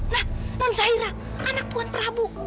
nah non saira anak tuhan prabu